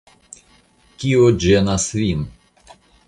Kio ĝenas vin?